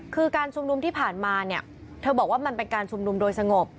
คือการชุมนุมที่ผ่านมาเนี่ยเธอบอกว่ามันเป็นการชุมนุมโดยสงบ